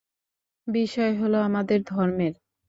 বিষয় হলো আমাদের ধর্মের।